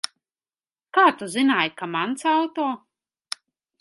Kā tu zināji, ka mans auto?